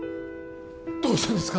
どうしたんですか？